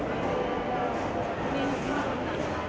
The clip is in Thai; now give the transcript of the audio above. ขอบคุณทุกคนมากครับที่ทุกคนรัก